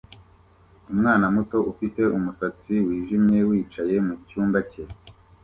Umwana muto ufite umusatsi wijimye wicaye mucyumba cye